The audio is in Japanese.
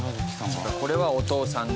これはお父さんが。